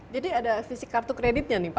jadi ada fisik kartu kreditnya nih pak